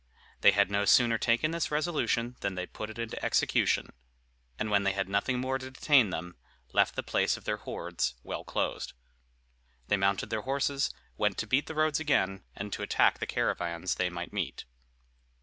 They had no sooner taken this resolution than they put it in execution; and when they had nothing more to detain them, left the place of their hoards well closed. They mounted their horses, went to beat the roads again, and to attack the caravans they might meet.